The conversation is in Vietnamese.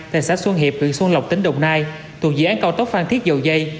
tại xã xuân hiệp huyện xuân lộc tỉnh đồng nai thuộc dự án cao tốc phan thiết dầu dây